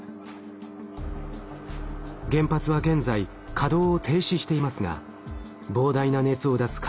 原発は現在稼働を停止していますが膨大な熱を出す核燃料は残されたまま。